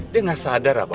dia gak sadar apa